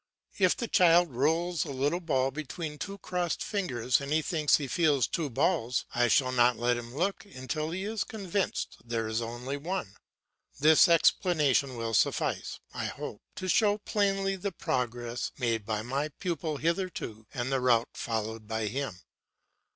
If the child rolls a little ball between two crossed fingers and thinks he feels two balls, I shall not let him look until he is convinced there is only one. This explanation will suffice, I hope, to show plainly the progress made by my pupil hitherto and the route followed by him.